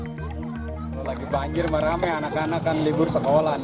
kalau lagi banjir meramai anak anak kan libur sekolah